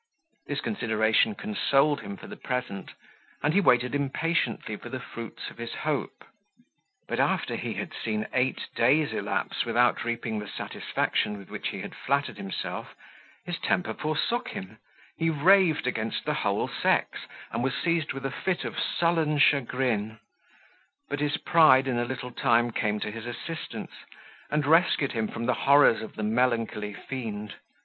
This consideration consoled him for the present, and he waited impatiently for the fruits of his hope; but after he had seen eight days elapse without reaping the satisfaction with which he had flattered himself, his temper forsook him, he raved against the whole sex, and was seized with a fit of sullen chagrin; but his pride in a little time came to his assistance, and rescued him from the horrors of the melancholy fiend.